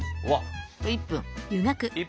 １分。